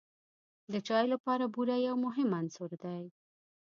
د چای لپاره بوره یو مهم عنصر دی.